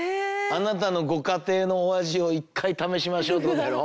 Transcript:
「あなたのご家庭のお味を１回試しましょう」ってことやろ？